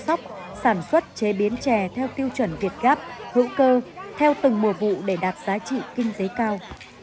các hộ dân liên kết về cách trồng chăm sóc sản xuất chế biến chè theo tiêu chuẩn việt gap hữu cơ theo từng mùa vụ để đạt giá trị kinh tế cao